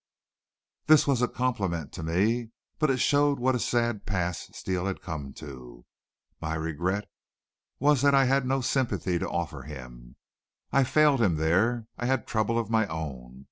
This was a compliment to me, but it showed what a sad pass Steele had come to. My regret was that I had no sympathy to offer him. I failed him there. I had trouble of my own.